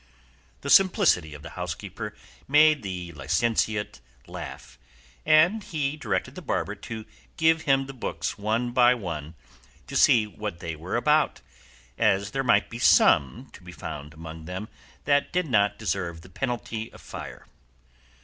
The simplicity of the housekeeper made the licentiate laugh, and he directed the barber to give him the books one by one to see what they were about, as there might be some to be found among them that did not deserve the penalty of fire.